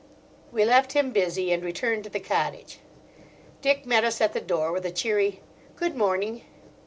We left him busy, and returned to the cottage. Dick met us at the door with a cheery "Good morning."